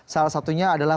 salah satunya adalah